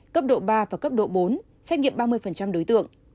cấp độ ba và cấp độ bốn xét nghiệm ba mươi đối tượng